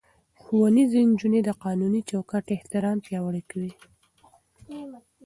ښوونځی نجونې د قانوني چوکاټ احترام پياوړې کوي.